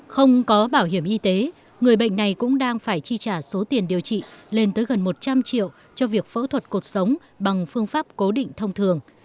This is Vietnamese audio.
không có bảo hiểm y tế người bệnh này cũng đang phải chi trả số tiền điều trị lên tới gần một trăm linh triệu cho việc phẫu thuật cuộc sống bằng phương pháp cố định thông thường